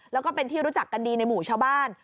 แล้วก็เป็นที่รู้จักกันดีในหมู่ชาวบ้าน